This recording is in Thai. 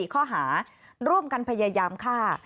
ข้อหาร่วมกันพยายามฆ่า